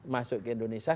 masuk ke indonesia